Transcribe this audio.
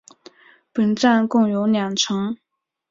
本站共有两层。